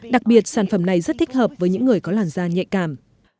đặc biệt sản phẩm này rất thích hợp với những người có làn da nhạy cảm